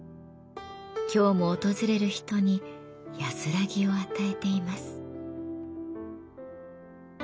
今日も訪れる人に安らぎを与えています。